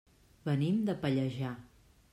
Venim de Pallejà.